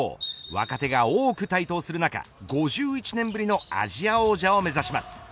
若手が多く台頭する中５１年ぶりのアジア王者を目指します。